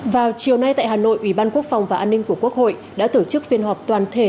vào chiều nay tại hà nội ủy ban quốc phòng và an ninh của quốc hội đã tổ chức phiên họp toàn thể